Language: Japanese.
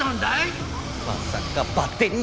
まさかバッテリー切れ